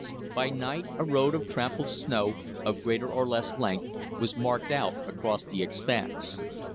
By night a road of trampled snow, of greater or less length, was marked out across the expanse.